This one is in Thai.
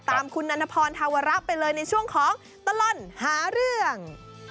ตามคุณนันทพรธาวระไปเลยในช่วงของตลอดหาเรื่อง